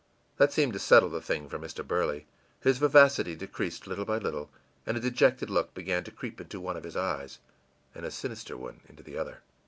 That seemed to settle the thing for Mr. Burley; his vivacity decreased little by little, and a dejected look began to creep into one of his eyes and a sinister one into the other.